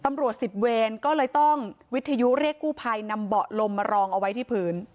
สิบเวรก็เลยต้องวิทยุเรียกกู้ภัยนำเบาะลมมารองเอาไว้ที่พื้น